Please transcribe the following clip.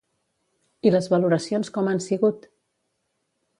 I les valoracions com han sigut?